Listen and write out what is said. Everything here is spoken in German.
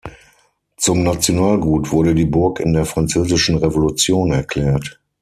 Zum Nationalgut wurde die Burg in der französischen Revolution erklärt.